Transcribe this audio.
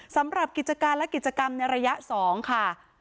สำหรับกิจการและกิจกรรมในระยะ๒ค่ะ